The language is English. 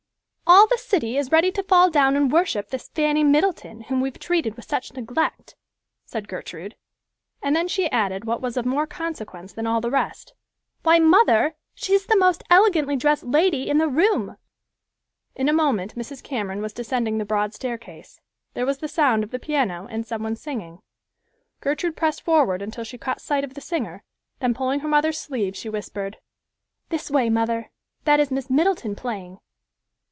"All the city is ready to fall down and worship this Fanny Middleton, whom we have treated with such neglect," said Gertrude, and then she added what was of more consequence than all the rest, "Why, mother, she's the most elegantly dressed lady in the room!" In a moment Mrs. Cameron was descending the broad staircase. There was the sound of the piano and someone singing. Gertrude pressed forward until she caught sight of the singer, then pulling her mother's sleeve, she whispered, "This way, mother; that is Miss Middleton playing."